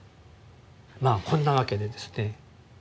まあこんなわけでですね